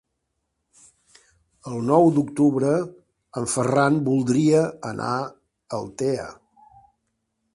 El nou d'octubre en Ferran voldria anar a Altea.